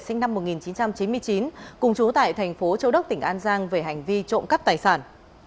sinh năm một nghìn chín trăm chín mươi chín cùng chú tại thành phố châu đốc tỉnh an giang về hành vi trộm cắp tài sản